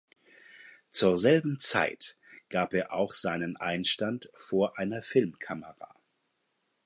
Zur selben Zeit gab er auch seinen Einstand vor einer Filmkamera.